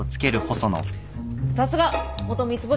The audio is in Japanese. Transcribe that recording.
さすが元三つ星